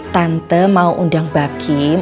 tante mau undang mbak kim